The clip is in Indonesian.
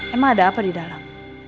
emang ada apa di dalam